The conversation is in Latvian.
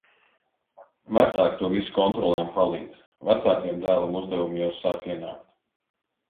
Vecāki to visu kontrolē un palīdz. Vecākajam dēlam uzdevumi jau sāk ienākt.